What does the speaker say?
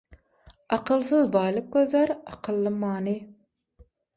Akylsyz baýlyk gözlär, akylly many.